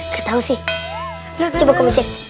gak tau sih coba kamu cek